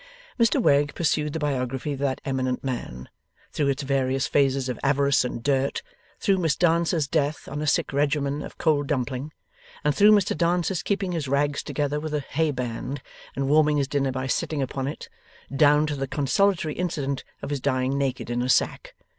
Mr Wegg pursued the biography of that eminent man through its various phases of avarice and dirt, through Miss Dancer's death on a sick regimen of cold dumpling, and through Mr Dancer's keeping his rags together with a hayband, and warming his dinner by sitting upon it, down to the consolatory incident of his dying naked in a sack.